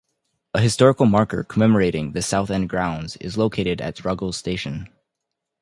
A historical marker commemorating the South End Grounds is located at Ruggles Station.